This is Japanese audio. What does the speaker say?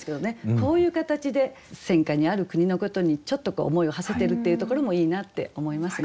こういう形で戦火にある国のことにちょっと思いをはせてるっていうところもいいなって思いますね。